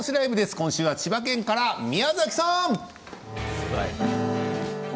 今週は千葉県から、宮崎さん！